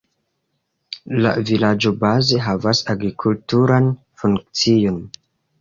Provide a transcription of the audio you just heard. La vilaĝo baze havas agrikulturan funkcion.